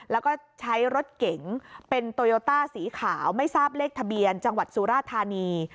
แล้วก็ใช้รถเก๋งเป็นโตโยต้าสีขาวไม่ทราบเลขทะเบียนจังหวัดสุราธานี